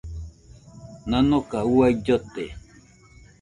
Nanoka uai llote.